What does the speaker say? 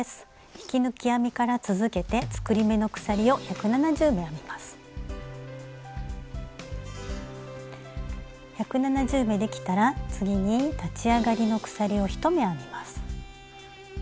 引き抜き編みから続けて１７０目できたら次に立ち上がりの鎖を１目編みます。